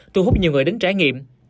thu hút nhiều người đến trải nghiệm